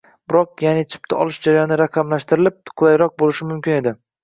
biroq, yaʼni chipta olish jarayoni raqamlashtirilib, qulayroq boʻlishi mumkin edi.